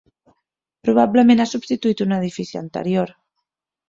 Probablement ha substituït un edifici anterior.